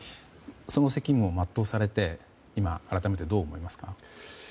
その責務を全うされて今、改めてどう思いますか？